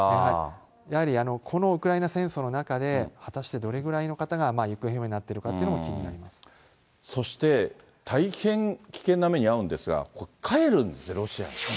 やはりこのウクライナ戦争の中で、果たしてどれぐらいの方が行方不明になっているかっていうのも気そして、大変危険な目に遭うんですが、帰るんですね、ロシアに。